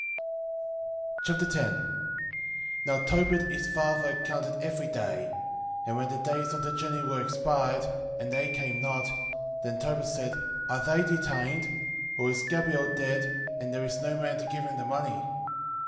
10:1 Now Tobit his father counted every day: and when the days of the journey were expired, and they came not, 10:2 Then Tobit said, Are they detained? or is Gabael dead, and there is no man to give him the money?